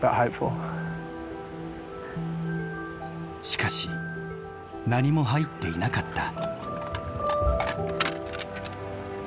しかし何も入っていなかった。